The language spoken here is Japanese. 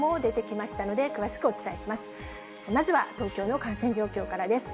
まずは東京の感染状況からです。